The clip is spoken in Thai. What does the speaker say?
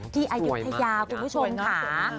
ที่อายุทยาคุณผู้ชมหา